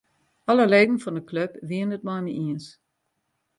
Alle leden fan 'e klup wiene it mei my iens.